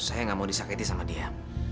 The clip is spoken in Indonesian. saya nggak mau disakiti sama dia